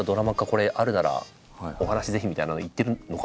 これあるならお話ぜひみたいなのを言ってるのかなみたいなのを。